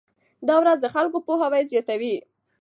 دا ورځ د خلکو پوهاوی زیاتوي.